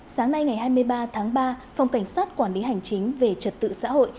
sáng nay ngày hai mươi ba tháng ba phòng cảnh sát quản lý hành chính về trật tự xã hội